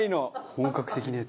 本格的なやつ？